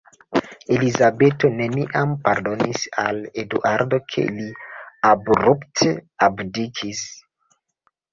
Elizabeto neniam pardonis al Eduardo, ke li abrupte abdikis.